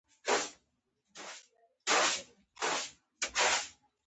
مولوي صاحب خپل حکم په عربي ژبه صادر کړ.